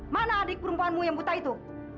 mana adik perempuanmu yang buta itu